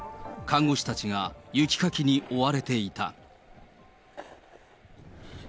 看護師たちが雪かきに追われていた。